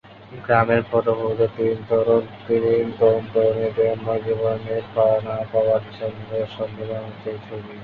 গ্রামের পটভূমিতে তিন তরুণ-তরুণীর প্রেমময় জীবনের পাওয়া না পাওয়ার হিসাব-নিকাশের সম্মিলন হচ্ছে এই ছবি।